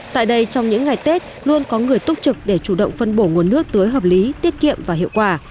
tại đây trong những ngày tết luôn có người túc trực để chủ động phân bổ nguồn nước tưới hợp lý tiết kiệm và hiệu quả